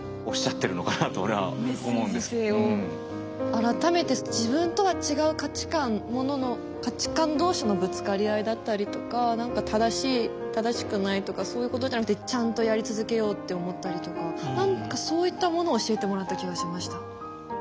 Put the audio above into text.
改めて自分とは違う価値観ものの価値観同士のぶつかり合いだったりとか何か正しい正しくないとかそういうことじゃなくてちゃんとやり続けようって思ったりとか何かそういったものを教えてもらった気がしました。